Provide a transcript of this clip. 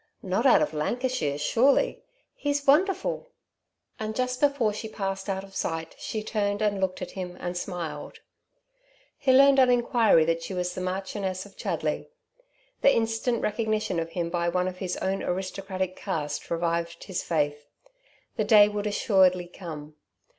Not out of Lancashire, surely? He's wonderful." And just before she passed out of sight she turned and looked at him and smiled. He learned on inquiry that she was the Marchioness of Chudley. The instant recognition of him by one of his own aristocratic caste revived his faith. The day would assuredly come.